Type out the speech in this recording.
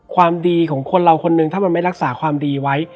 ความดีของคนเราคนนึงถ้ามันไม่รักษาความดีไว้